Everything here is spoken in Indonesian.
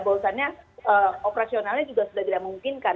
bahwasannya operasionalnya juga sudah tidak memungkinkan